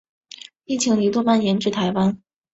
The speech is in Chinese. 疫情一度蔓延至台湾。